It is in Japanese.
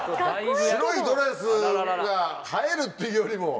白いドレスが映えるっていうよりも。